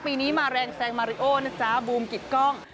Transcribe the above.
ปีนี้มาแรงแซงมาริโอนะจ๊ะบูมกิดกล้อง